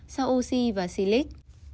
sau oxy và silic